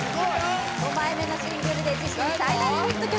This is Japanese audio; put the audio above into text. ５枚目のシングルで自身最大のヒット曲